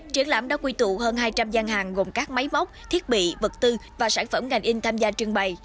triển lãm đã quy tụ hơn hai trăm linh gian hàng gồm các máy móc thiết bị vật tư và sản phẩm ngành in tham gia trưng bày